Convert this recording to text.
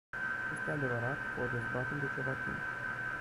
Este adevărat că o dezbatem de ceva timp.